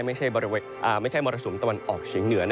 ไม่ใช่มรสุมตะวันออกเฉียงเหนือ